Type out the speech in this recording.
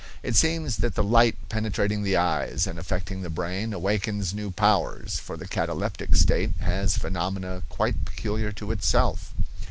It seems that the light penetrating the eyes, and affecting the brain, awakens new powers, for the cataleptic state has phenomena quite peculiar to itself.